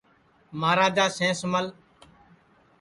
مہاراجا سینس مل